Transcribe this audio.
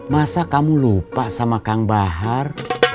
masa kamu lupa sama kang bahar